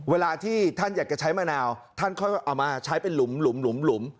เวลาที่ท่านอยากจะใช้มะนาวท่านค่อยเอามาใช้เป็นหลุม